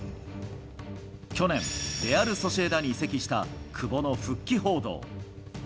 去年、レアルソシエダに移籍した久保の復帰報道。